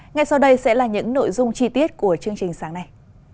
ngay sau đây sẽ là những nội dung chi tiết của chương trình sáng nay